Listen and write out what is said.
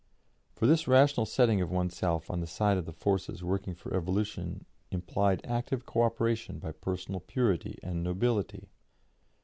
" For this rational setting of oneself on the side of the forces working for evolution implied active co operation by personal purity and nobility."